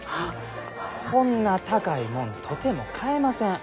こんな高いもんとても買えません。